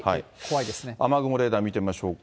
雨雲レーダー見てみましょうか。